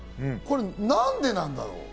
何でなんだろう？